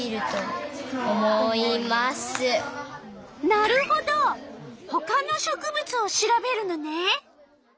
なるほどほかの植物を調べるのね。